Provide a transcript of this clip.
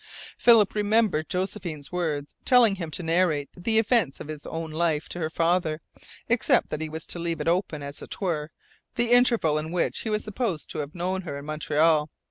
Philip remembered Josephine's words telling him to narrate the events of his own life to her father except that he was to leave open, as it were, the interval in which he was supposed to have known her in Montreal.